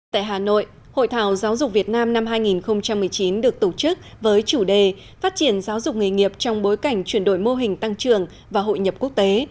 tại hà nội hội thảo giáo dục việt nam năm hai nghìn một mươi chín được tổ chức với chủ đề phát triển giáo dục nghề nghiệp trong bối cảnh chuyển đổi mô hình tăng trường và hội nhập quốc tế